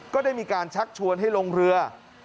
ก็ได้มีการชักชวนให้ลงเรือ